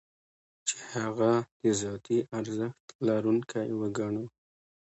چې هغه د ذاتي ارزښت لرونکی وګڼو.